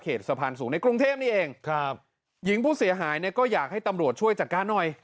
สะพานสูงในกรุงเทพนี่เองครับหญิงผู้เสียหายเนี่ยก็อยากให้ตำรวจช่วยจัดการหน่อย